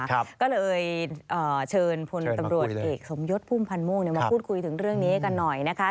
ก็เลยเชิญพลตำรวจเอกสมยศพุ่มพันธ์ม่วงมาพูดคุยถึงเรื่องนี้กันหน่อยนะคะ